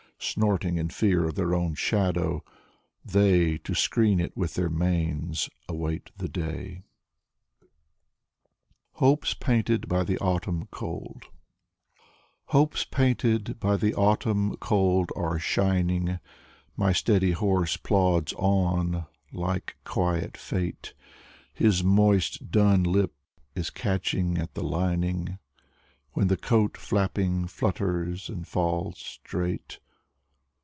Snorting in fear of their own shadow, they, To screen it with their manes, await the day. II 66 Sergei Yesenin " HOPES PAINTED BY THE AUTUMN COLD " Hopes, painted by the autumn cold, are shining, My steady horse plods on, like quiet fate, His moist dun lip is catching at the lining When the coat, flapping, flutters and falls straight.